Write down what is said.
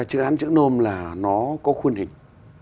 hán chữ nôm là nó có khuôn hình